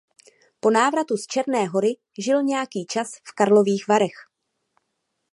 Po návratu z Černé Hory žil nějaký čas v Karlových Varech.